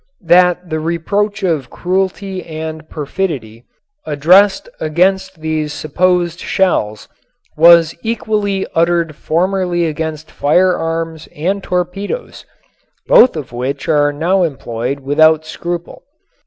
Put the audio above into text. That the reproach of cruelty and perfidy, addressed against these supposed shells, was equally uttered formerly against firearms and torpedoes, both of which are now employed without scruple.